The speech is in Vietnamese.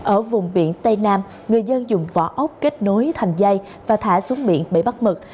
ở vùng biển tây nam người dân dùng vỏ ốc kết nối thành dây và thả xuống miệng bảy bắt mực